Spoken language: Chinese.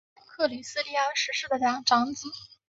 克里斯蒂安十世的长子。